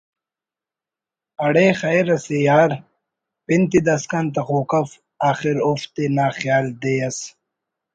اڑے خیر اسے یار (پن تے داسکان تخوک اف) آخر اوفتے نا خیال دے اس